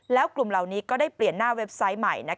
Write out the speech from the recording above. แล้วกลุ่มเหล่านี้ก็ได้เปลี่ยนหน้าเว็บไซต์ใหม่